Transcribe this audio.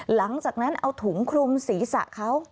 หลังจากนั้นเอาถุงคลุมศีรษะเขา